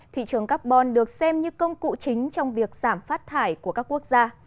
thị trường carbon được xem như công cụ chính trong việc giảm phát thải của các quốc gia